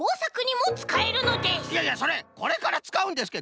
いやいやそれこれからつかうんですけど！